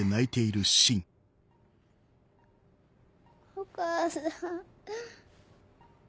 お母さん。